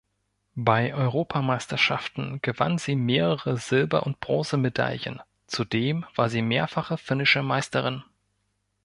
Bei Europameisterschaften gewann sie mehrere Silber- und Bronzemedaillen, zudem war sie mehrfache finnische Meisterin.